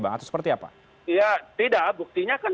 bang atau seperti apa ya tidak buktinya kan